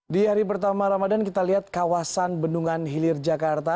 di hari pertama ramadan kita lihat kawasan bendungan hilir jakarta